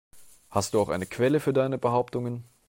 Hast du auch eine Quelle für deine Behauptungen?